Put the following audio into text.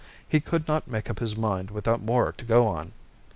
He could not make up his mind without more to go on.